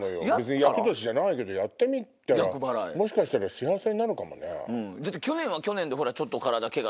厄年じゃないけどやってみたらもしかしたら幸せになるかもね。